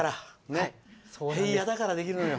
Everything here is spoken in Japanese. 平野だからできるのよ。